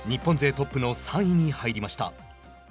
トップの３位に入りました。